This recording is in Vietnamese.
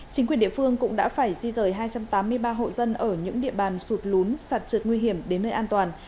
chính quyền địa phương cũng đã phải di rời hai trăm tám mươi ba hộ dân ở những địa bàn sụt lún sạt trượt nguy hiểm đến nơi an toàn